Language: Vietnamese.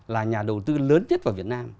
là nhà đầu tư lớn nhất của việt nam